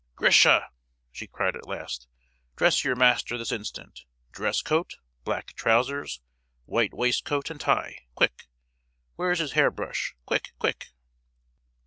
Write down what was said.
"Grisha!" she cried at last, "dress your master this instant! Dress coat, black trousers, white waistcoat and tie, quick! Where's his hairbrush—quick, quick!"